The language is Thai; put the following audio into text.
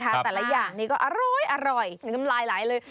แต่ละอย่างนี้ก็อร่อย